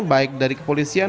baik dari kepolisian